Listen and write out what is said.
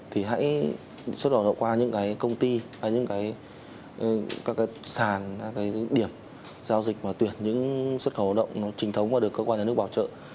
thì hãy xuất khẩu động qua những công ty các sàn các điểm giao dịch và tuyển những xuất khẩu động trình thống và được cơ quan nhà nước bảo trợ